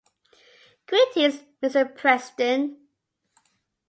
Greetings Mr. President!